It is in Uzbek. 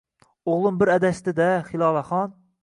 O`g`lim bir adashdi-da, Hilolaxon